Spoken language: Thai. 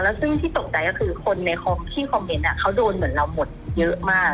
ซึ่งที่ตกใจก็คือคนในที่คอมเมนต์เขาโดนเหมือนเราหมดเยอะมาก